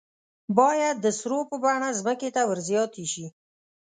باید د سرو په بڼه ځمکې ته ور زیاتې شي.